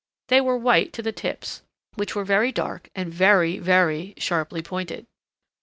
They were white to the tips, which were dark and very, very sharply pointed.